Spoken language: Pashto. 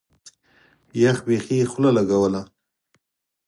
يخ بيخي خوله لګوله.